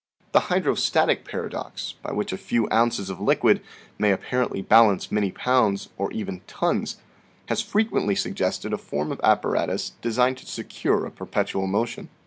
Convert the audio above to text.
The hydrostatic paradox by which a few ounces of liquid may apparently balance many pounds, or even tons, has frequently suggested a form of apparatus designed to secure a perpetual motion.